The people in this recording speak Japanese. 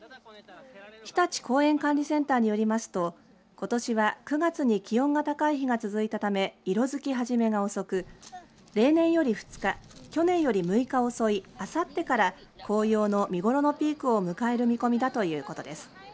ひたち公園管理センターによりますとことしは９月に気温が高い日が続いたため色づき始めが遅く例年より２日去年より６日遅いあさってから紅葉の見頃のピークを迎える見込みだということです。